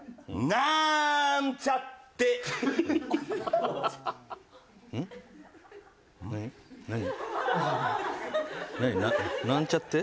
「なーんちゃって」？